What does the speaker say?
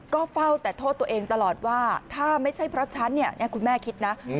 ก็เฝ้าแต่โทษตัวเองตลอดว่าถ้าไม่ใช่เพราะฉันเนี่ยคุณแม่คิดนะ